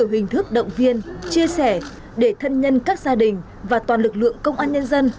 hình thức động viên chia sẻ để thân nhân các gia đình và toàn lực lượng công an nhân dân